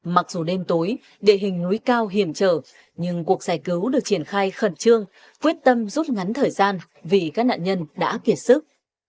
mặc dù đêm tối địa hình núi cao hiểm trở nhưng cuộc giải cứu được triển khai khẩn trương quyết tâm rút ngắn thời gian vì các nạn nhân đã kiệt sức